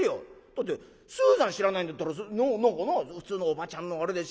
「だってスーザン知らないんだったら何かなあ普通のおばちゃんのあれで」。